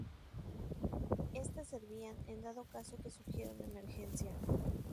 Estas servían en dado caso que surgiera una emergencia.